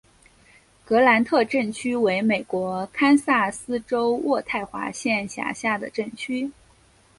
格兰特镇区为美国堪萨斯州渥太华县辖下的镇区。